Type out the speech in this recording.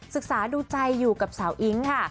ศึกษาดูใจอยู่กับสาวอิ๊งค่ะ